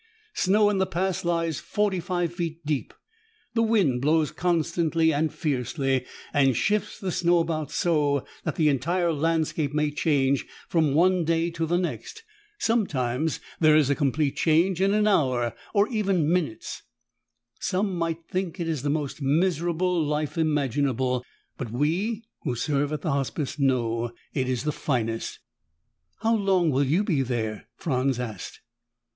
Snow in the Pass lies forty five feet deep. The wind blows constantly and fiercely and shifts the snow about so that the entire landscape may change from one day to the next. Sometimes there is a complete change in an hour, or even minutes. Some might think it the most miserable life imaginable, but we who serve at the Hospice know it is the finest!" "How long will you be there?" Franz asked.